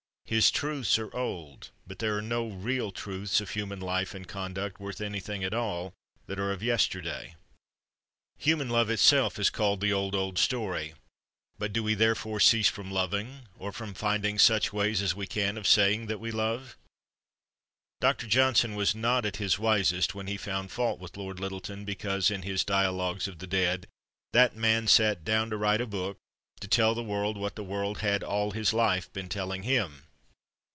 His truths are old, but there are no real truths of human life and conduct, worth anything at all, that are of yesterday. Human love itself is called "the old, old story;" but do we therefore cease from loving, or from finding such ways as we can of saying that we love. Dr. Johnson was not at his wisest when he found fault with Lord Lyttelton because, in his "Dialogues of the Dead," "that man sat down to write a book, to tell the world what the world had all his life been telling him."